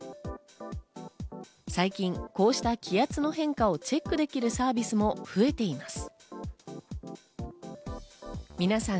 最近、こうした気圧の変化をチェックできるサービスも増えています。